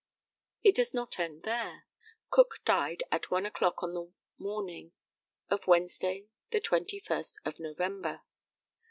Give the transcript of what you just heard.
It does not end there. Cook died at 1 o'clock on the morning of Wednesday the 21st of November.